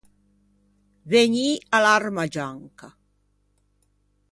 Vegnî à l’arma gianca.